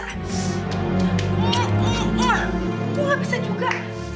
kok gak bisa juga